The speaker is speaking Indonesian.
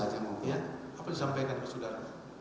apa yang disampaikan ke saudara